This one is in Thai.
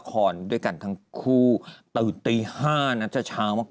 คือคือคือ